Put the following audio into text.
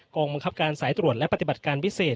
กองบังคับการสายตรวจและปฏิบัติการพิเศษ